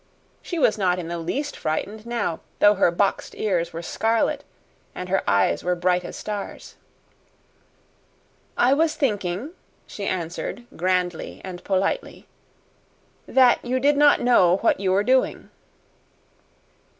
She was not in the least frightened now, though her boxed ears were scarlet and her eyes were as bright as stars. "I was thinking," she answered grandly and politely, "that you did not know what you were doing."